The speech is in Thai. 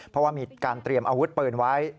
เพราะว่ามีการเตรียมอาวุธปืนไว้